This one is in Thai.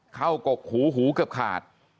เข้ากกหูหูเกือบขาด